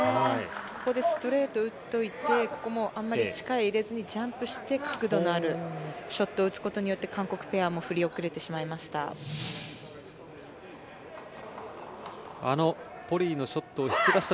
ここでストレート打っておいてここもあまり力を入れずにジャンプして角度のあるショットを打つことによって韓国ペアも振り遅れてしまいました。